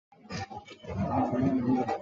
唐龙早年受业于同县章懋。